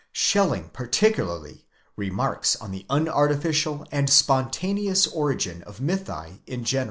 Schelling particularly remarks on the unartificial and spontaneous origin of mythi in general.